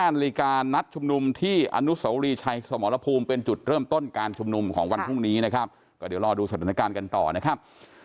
นาฬิกานัดชุมนุมที่อนุสวรีชัยสมรภูมิเป็นจุดเริ่มต้นการชุมนุมของวันพรุ่งนี้นะครับก็เดี๋ยวรอดูสถานการณ์กันต่อนะครับ